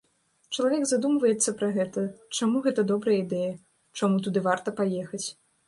Чалавек задумваецца пра гэта, чаму гэта добрая ідэя, чаму туды варта паехаць.